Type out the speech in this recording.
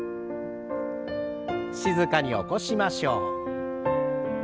静かに起こしましょう。